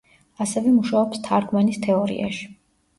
ასევე მუშაობს თარგმანის თეორიაში.